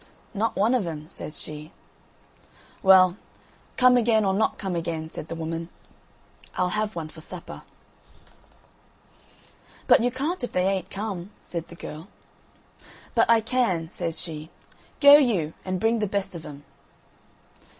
"Not one of 'em," says she. "Well, come again, or not come again," said the woman "I'll have one for supper." "But you can't, if they ain't come," said the girl. "But I can," says she. "Go you, and bring the best of 'em."